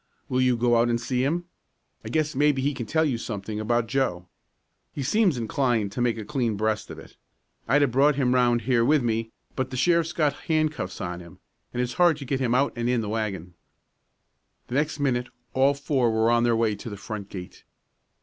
Will you go out and see him? I guess maybe he can tell you something about Joe. He seems inclined to make a clean breast of it. I'd have brought him around here with me, but the sheriff's got handcuffs on him, and it's hard to get him out and in the wagon." The next minute all four were on their way to the front gate.